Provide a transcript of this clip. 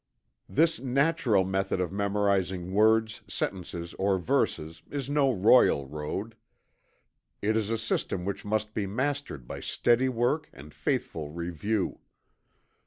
This natural method of memorizing words, sentences, or verses is no royal road. It is a system which must be mastered by steady work and faithful review.